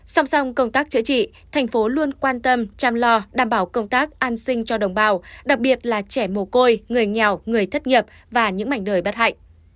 song song công tác chữa trị thành phố luôn quan tâm chăm lo đảm bảo công tác an sinh cho đồng bào đặc biệt là trẻ mồ côi người nghèo người thất nghiệp và những mảnh đời bất hạnh